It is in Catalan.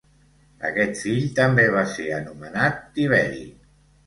Aquest fill també va ser anomenat Tiberi.